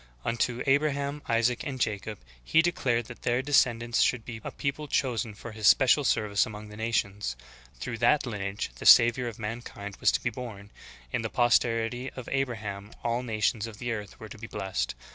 Unto Abraham, Isaac, and Jacob He declared that their descend ants should be a people chosen for His special service among the nations. Through that lineage the Savior of mankind was to be born; in the posterity of Abraham all nations of the earth were to be blessed.